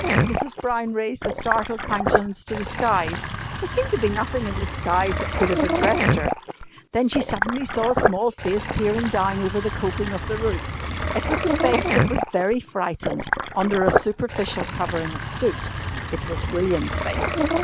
Mrs. Brown raised a startled countenance to the skies. There seemed to be nothing in the skies that could have addressed her. Then she suddenly saw a small face peering down over the coping of the roof. It was a face that was very frightened, under a superficial covering of soot. It was William's face.